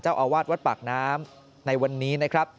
เจ้าอาวาสวัดปากน้ำในวันนี้